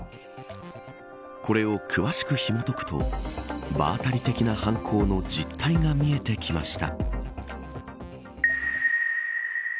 これを詳しくひもとくと場当たり的な犯行の実態が見えてきました。